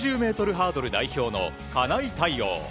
ハードル代表の金井大旺。